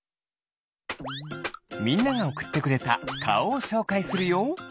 みんながおくってくれたかおをしょうかいするよ。